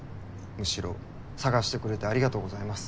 むしろ探してくれてありがとうございます。